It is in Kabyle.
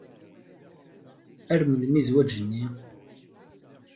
Ar melmi zzwaǧ-nni?